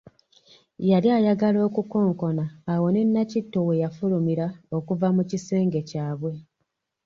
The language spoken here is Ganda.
Yali ayagala okukonkona awo ne Nakitto we yafulumira okuva mu kisenge kyabwe.